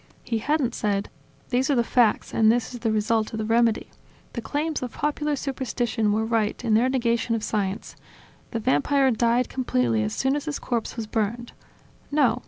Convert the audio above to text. He hadn't said: "These are the facts, and this the result of the remedy: the claims of popular superstition were right in their negation of science: the Vampire died completely as soon as his corpse was burned." No.